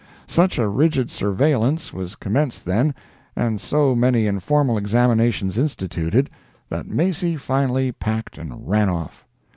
Such a rigid surveillance was commenced then, and so many informal examinations instituted, that Macy finally packed and ran off.